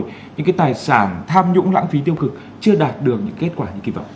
tại sao những tài sản tham nhũng lãng phí tiêu cực chưa đạt được những kết quả như kỳ vọng